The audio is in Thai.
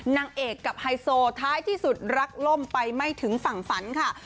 นางเอกกับไฮโซท้ายที่สุดรักล่มไปไม่ถึงฝั่งฝันค่ะ